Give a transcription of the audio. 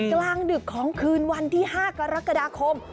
กลางดึกของคืนวันที่๕กรกฎาคม